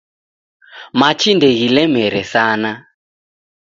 Machi ndeghilemere sana